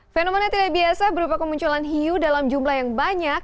fenomena tidak biasa berupa kemunculan hiu dalam jumlah yang banyak